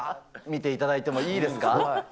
見ていただいてもいいですか？